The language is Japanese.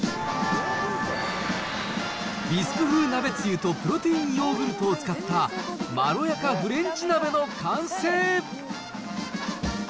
ビスク風鍋つゆとプロテインヨーグルトを使ったまろやかフレンチ鍋の完成。